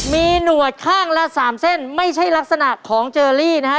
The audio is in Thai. มีหนวดข้างละ๓เส้นไม่ใช่ลักษณะของเจอรี่นะฮะ